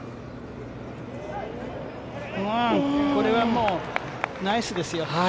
これはもう、ナイスですよ。